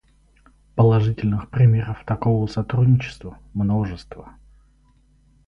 Положительных примеров такого сотрудничества — множество.